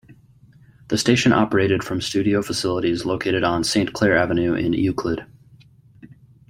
The station operated from studio facilities located on Saint Clair Avenue in Euclid.